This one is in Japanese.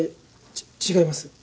ち違います。